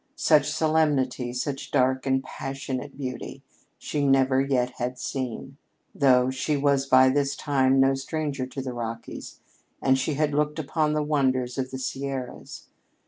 Such solemnity, such dark and passionate beauty, she never yet had seen, though she was by this time no stranger to the Rockies, and she had looked upon the wonders of the Sierras.